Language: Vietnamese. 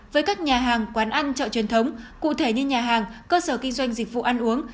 với các nhà hàng quán ăn chợ truyền thống cụ thể như nhà hàng cơ sở kinh doanh dịch vụ ăn uống